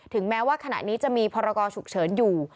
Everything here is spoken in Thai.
แม้ว่าขณะนี้จะมีพรกรฉุกเฉินอยู่